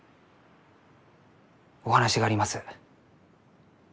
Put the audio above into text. お話があります。